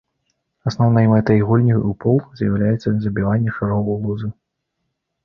Асноўнай мэтай гульняў у пул з'яўляецца забіванне шароў ў лузы.